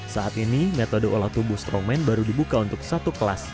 saat ini metode olah tubuh strongman baru dibuka untuk satu kelas